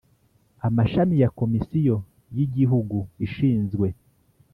amashami ya Komisiyo y Igihugu ishinzwe